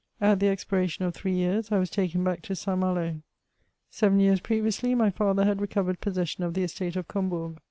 At the expiration of three years, I was taken back to St. Malo. Seven years previously my father had recovered possession of the estate of Combourg.